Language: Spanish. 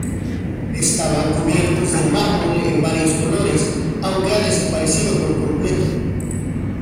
Estaban cubiertos de mármol en varios colores, aunque ha desaparecido por completo.